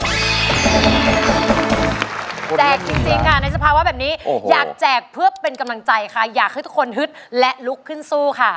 แจกจริงค่ะในสภาวะแบบนี้อยากแจกเพื่อเป็นกำลังใจค่ะอยากให้ทุกคนฮึดและลุกขึ้นสู้ค่ะ